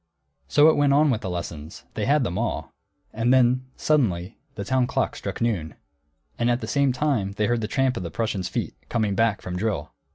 So it went on with the lessons; they had them all. And then, suddenly, the town clock struck noon. And at the same time they heard the tramp of the Prussians' feet, coming back from drill.